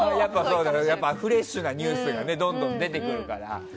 フレッシュなニュースがどんどん出てくるから。